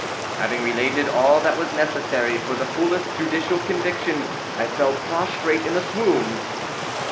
Having related all that was necessary for the fullest judicial conviction, I fell prostrate in a swoon.